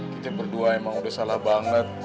kita berdua emang udah salah banget